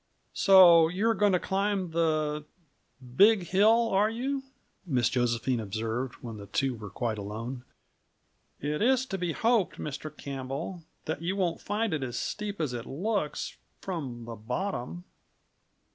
"So you are going to climb the Big Hill, are you?" Miss Josephine observed, when the two were quite alone. "It is to be hoped, Mr. Campbell, that you won't find it as steep as it looks from the bottom."